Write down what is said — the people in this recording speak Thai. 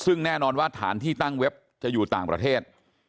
ซึ่งแน่นอนว่าฐานที่ตั้งเว็บจะอยู่ต่างประเทศ